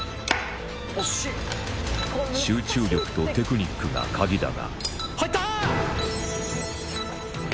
集中力とテクニックがカギだが入った！